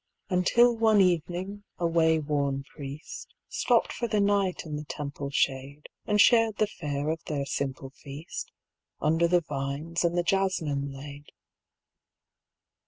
Until one evening a wayworn Priest Stopped for the night in the Temple shade And shared the fare of their simple feast Under the vines and the jasmin laid.